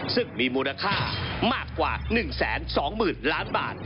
ซึ่งมีมูลค่ามากกว่า๑แสน๒หมื่นล้านบาท